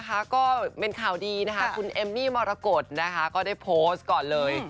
ก็เป็นข่าวดีนะคะคุณเอมมี่มรกฏนะคะก็ได้โพสต์ก่อนเลย